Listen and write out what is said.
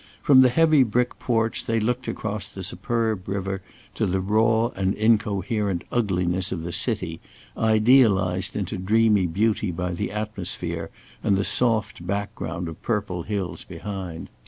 From the heavy brick porch they looked across the superb river to the raw and incoherent ugliness of the city, idealised into dreamy beauty by the atmosphere, and the soft background of purple hills behind.